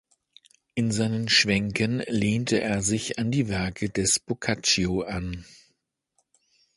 In seinen Schwänken lehnte er sich an die Werke des Boccaccio an.